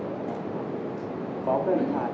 สวัสดีครับสวัสดีครับสวัสดีครับ